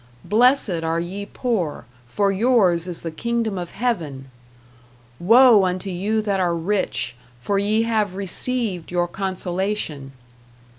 Blessed are ye poor, for yours is the kingdom of Heaven! Woe unto you that are rich, for ye have received your consolation!